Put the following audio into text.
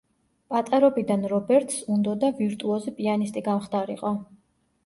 პატარობიდან რობერტს უნდოდა ვირტუოზი პიანისტი გამხდარიყო.